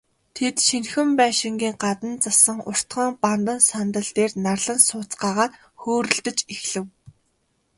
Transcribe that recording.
Тэд, шинэхэн байшингийн гадна зассан уртхан бандан сандал дээр нарлан сууцгаагаад хөөрөлдөж эхлэв.